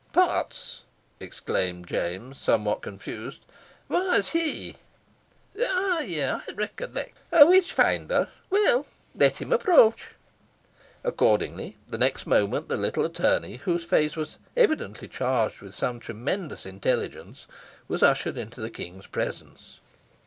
"Potts!" exclaimed James, somewhat confused. "Wha is he? ah, yes! I recollect a witch finder. Weel, let him approach." Accordingly, the next moment the little attorney, whose face was evidently charged with some tremendous intelligence, was ushered into the king's presence.